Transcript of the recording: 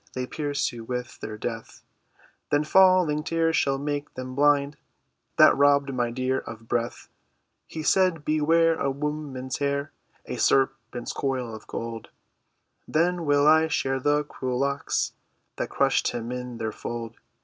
They pierce you with their death.'" "Then falling tears shall make them blind That robbed my dear of breath." "He said, 'Beware a woman's hair— A serpent's coil of gold.'" "Then will I shear the cruel locks That crushed him in their fold."